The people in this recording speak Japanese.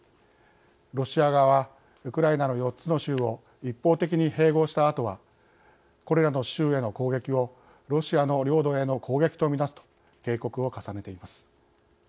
ロシア側はウクライナの４つの州を一方的に併合したあとはこれらの州への攻撃をロシアの領土への攻撃と見なすと警告を重ねています。